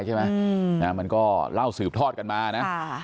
ใช่ไหมมันก็เล่าสืบทอดกันมานะ